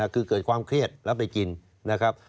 คือเกิดความเครียดแล้วไปกินนะครับ